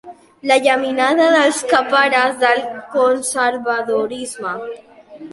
La geminada dels cappares del conservadorisme.